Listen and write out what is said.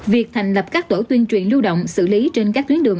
việc thành lập các tổ tuyên truyền lưu động xử lý trên các tuyến đường